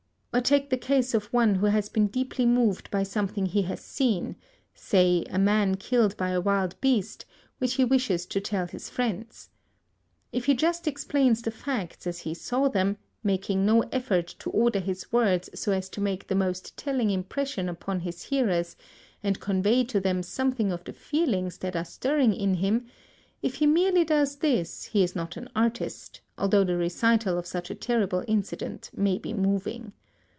Or take the case of one who has been deeply moved by something he has seen, say a man killed by a wild beast, which he wishes to tell his friends. If he just explains the facts as he saw them, making no effort to order his words so as to make the most telling impression upon his hearers and convey to them something of the feelings that are stirring in him, if he merely does this, he is not an artist, although the recital of such a terrible incident may be moving.